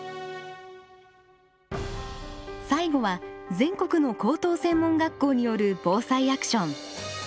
最後は全国の高等専門学校によるＢＯＳＡＩアクション。